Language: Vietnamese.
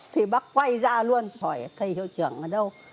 thì bác quay ra luôn hỏi thầy hiệu trưởng ở đâu